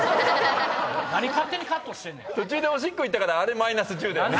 何勝手にカットしてんねん⁉途中でオシッコ行ったからあれマイナス１０だよね。